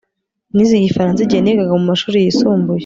Nize Igifaransa igihe nigaga mu mashuri yisumbuye